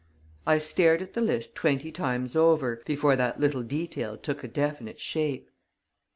I stared at the list twenty times over, before that little detail took a definite shape."